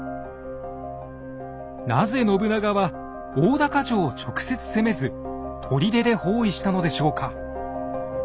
なぜ信長は大高城を直接攻めず砦で包囲したのでしょうか？